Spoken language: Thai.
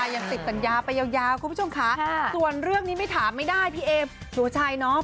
ยังติดสัญญาไปยาวคุณผู้ชมค่ะส่วนเรื่องนี้ไม่ถามไม่ได้พี่เอสุภาชัยเนาะ